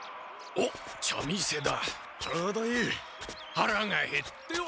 はらがへっては。